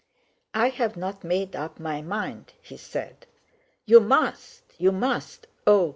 "I've not made up my mind," he said. "You must! You must! Oh!